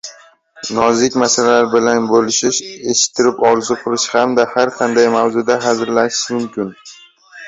nozik masalalar bilan bo‘lishish, eshittirib orzu qilish hamda har qanday mavzuda hazillashish mumkin.